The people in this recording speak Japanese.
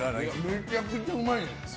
めちゃくちゃうまい。